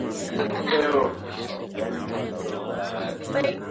unaandaa dhana ya programu ya matangazo ya redio yako